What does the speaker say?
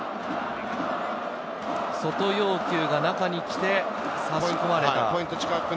外に要求が中に来て差し込まれた。